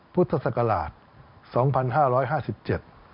พุทธศักราช